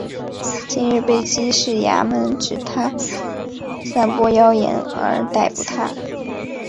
近日被缉事衙门指他散播妖言而逮捕他。